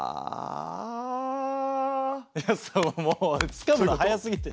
つかむの早すぎて。